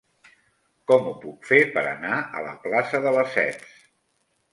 Com ho puc fer per anar a la plaça de Lesseps?